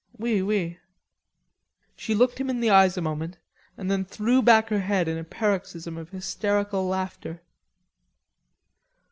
"We we." She looked him in the eyes a moment, and then threw hack her head in a paroxysm of hysterical laughter.